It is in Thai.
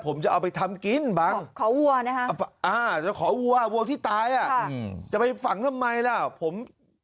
ผมจะเอาไปทำกินบังฟิศขอวัวที่ตายจะไปฝังทำไมแล้วผม